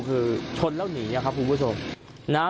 คือชนแล้วหนีเนี่ยครับคุณผู้ชม